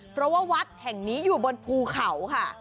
เพราะว่าวัดแห่งนี้อยู่บนภูเขาค่ะ